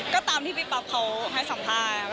ก็ตามที่พี่ป๊อปเขาให้สัมภาษณ์